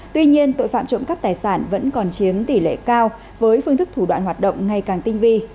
tuy nhiên tội phạm trộm cắp tài sản vẫn còn chiếm tỷ lệ cao với phương thức thủ đoạn hoạt động ngày càng tinh vi